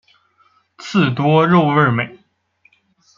刺多肉味美。